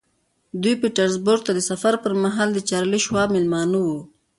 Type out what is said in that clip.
دوی پیټرزبورګ ته د سفر پر مهال د چارلیس شواب مېلمانه وو